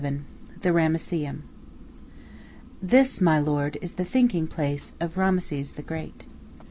XI THE RAMESSEUM "This, my lord, is the thinking place of Rameses the Great."